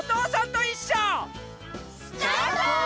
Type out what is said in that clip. スタート！